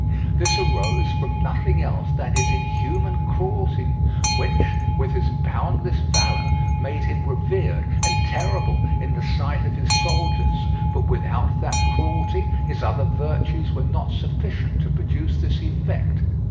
This arose from nothing else than his inhuman cruelty, which, with his boundless valour, made him revered and terrible in the sight of his soldiers, but without that cruelty, his other virtues were not sufficient to produce this effect.